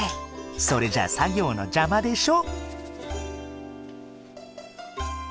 それじゃあ作業の邪魔でしょ？